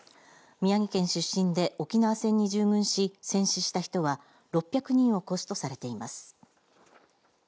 宮城県出身で沖縄戦に従軍し戦死した人は６００人を超すとされています。